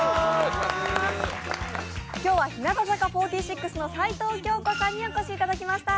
今日は日向坂４６の齊藤京子さんにお越しいただきました。